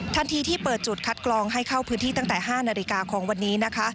ที่เปิดจุดคัดกรองให้เข้าพื้นที่ตั้งแต่๕นาฬิกาของวันนี้นะคะ